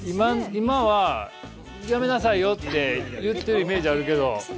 今はやめなさいよって言ってるイメージあるけど。